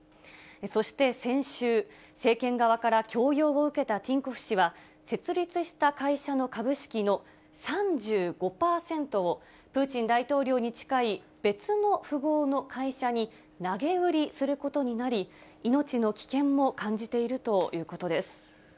そして先週、政権側から強要を受けたティンコフ氏は、設立した会社の株式の３５％を、プーチン大統領に近い別の富豪の会社に投げ売りすることになり、命の危険も感じているということです。